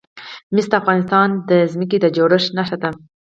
مس د افغانستان د ځمکې د جوړښت نښه ده.